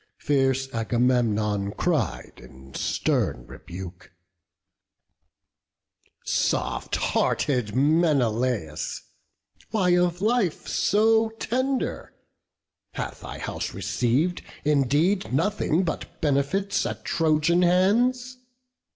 Fierce Agamemnon cried in stern rebuke; "Soft hearted Menelaus, why of life So tender? Hath thy house receiv'd indeed Nothing but benefits at Trojan hands?